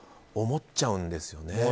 思っちゃうんですよね。